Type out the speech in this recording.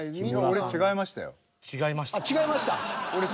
俺違いましたよ。